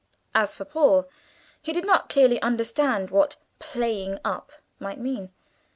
As for Paul, he did not clearly understand what "playing up" might mean.